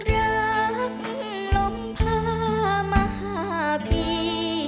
ฝากรักลมพามหาปี